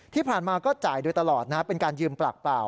ที่ผ่านมาก็จ่ายโดยตลอดนะเป็นการยืมปากเปล่า